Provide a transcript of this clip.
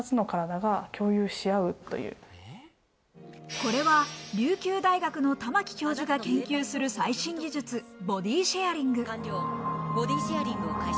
これは琉球大学の玉城教授が研究する最新技術、ボディシェアリング。